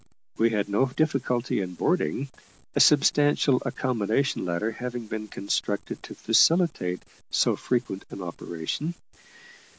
We had no difficulty in boarding, a substantial accommodation ladder having been constructed to facilitate so frequent an operation.